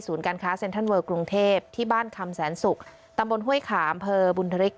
การค้าเซ็นทรัลเวอร์กรุงเทพที่บ้านคำแสนศุกร์ตำบลห้วยขามเภอบุญธริก